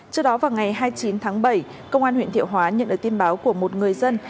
trước đó vào ngày hai mươi chín tháng bảy công an huyện thiệu hóa nhận được tin báo của một người dân